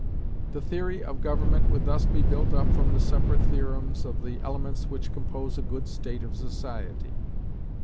The theory of government would thus be built up from the separate theorems of the elements which compose a good state of society.